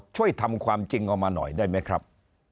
ช่วยทำความจริงออกมาหน่อยได้ไหมครับ